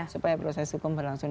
supaya proses hukum berlangsung